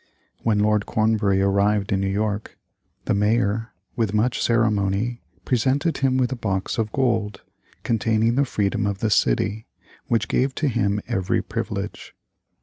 When Lord Cornbury arrived in New York, the Mayor, with much ceremony, presented him with a box of gold, containing the freedom of the city, which gave to him every privilege.